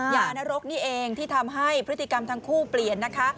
ยานรกนี่เองที่ทำให้พฤติกรรมทั้งคู่เปลี่ยนนะคะ